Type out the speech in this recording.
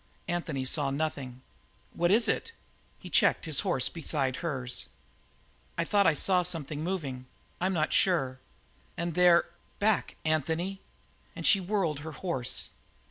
Anthony saw nothing. "What was it?" He checked his horse beside hers. "I thought I saw something move. I'm not sure. And there back, Anthony!" And she whirled her horse.